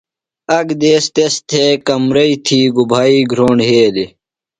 آک دیس تس تھےۡ کمرئی تھی گُبھائی گھرونڈ یھیلیۡ۔